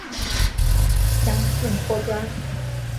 杨素颇专。